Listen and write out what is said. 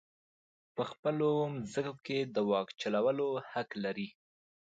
په خپلو مځکو کې د واک چلولو حق لري.